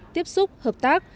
tiếp xúc hợp tác